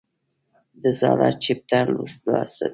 د زاړه چپټر لوسته دي